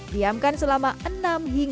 diamkan selama enam hingga dua puluh menit